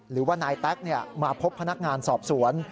หรือว่านายแต๊กมาพบพนักงานสอบสวน